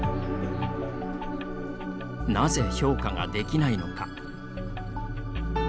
なぜ、評価ができないのか。